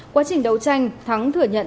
quá trình đấu tranh thắng thừa nhận